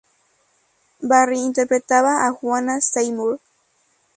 Barrie interpretaba a Juana Seymour.